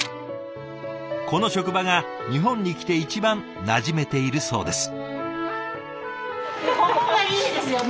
この職場が日本に来て一番なじめているそうです。